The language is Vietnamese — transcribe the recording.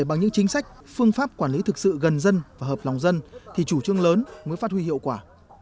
bằng những chính sách phương pháp quản lý thực sự gần dân và hợp lòng dân thì chủ trương lớn mới phát huy hiệu quả